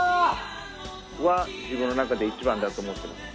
自分の中で一番だと思ってます。